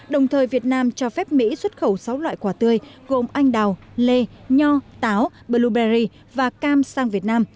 đồng thời việt nam cho phép mỹ xuất khẩu sáu loại quả tươi gồm anh đào lê nho táo blueberry và cam sang việt nam